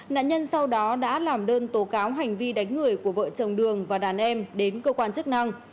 nạn nhân sau đó đã làm đơn tố cáo hành vi đánh người của vợ chồng đường và đàn em đến cơ quan chức năng